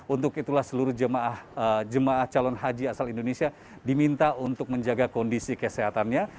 untuk itulah seluruh jemaah calon haji asal indonesia diminta untuk menjaga kondisi kesehatannya